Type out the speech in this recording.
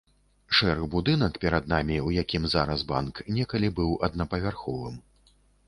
Шэры будынак перад намі, у якім зараз банк, некалі быў аднапавярховым.